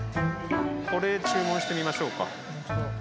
これ注文してみましょうか。